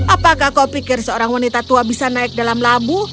apakah kau pikir seorang wanita tua bisa naik dalam labu